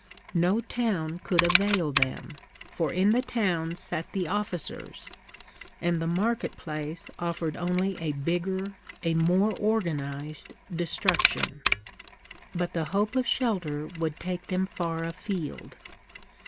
No town could avail them, for in the towns sat the officers, and the marketplace offered only a bigger, a more organized destruction. But the hope of shelter would take them far afield.